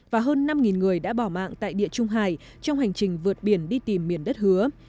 và hơn năm người đã bỏ mạng tại địa trung hải trong hành trình vượt biển đi tìm miền đất hứa